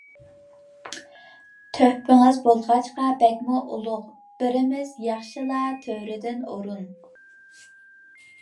تۆھپىڭىز بولغاچقا بەكمۇ ئۇلۇغ، بىرىمىز ياخشىلار تۆرىدىن ئۇرۇن.